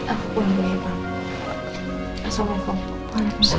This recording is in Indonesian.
aku pulang dulu ya mama